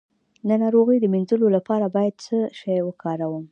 د ناروغۍ د مینځلو لپاره باید څه شی وکاروم؟